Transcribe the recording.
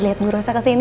lihat bu rosa kesini